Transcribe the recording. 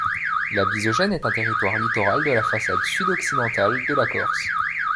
La Bisogène est un territoire littoral de la façade sud-occidentale de la Corse.